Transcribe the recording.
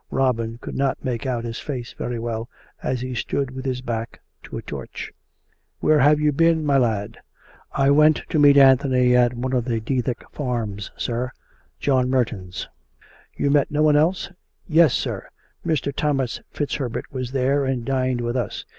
Robin could not make out his face very well, as he stood with his back to a torch. " Where have you been, my lad.^* "" I went to meet Anthony at one of the Dethick farmi^, sir — John Merton's." " You met no one else? " "Yes, sir; Mr. Thomas Fitz Herbert was there and dined with us.